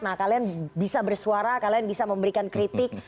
nah kalian bisa bersuara kalian bisa memberikan kritik